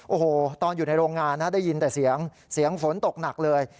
โอ้โหตอนอยู่ในโรงงานนะได้ยินแต่เสียงเสียงฝนตกหนักเลย